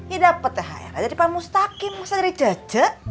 ya dapet thr dari pak mustakin masa dari cece